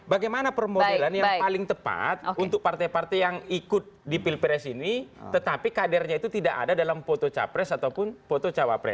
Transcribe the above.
bagaimana permodelan yang paling tepat untuk partai partai yang ikut di pilpres ini tetapi kadernya itu tidak ada dalam foto capres ataupun foto cawapres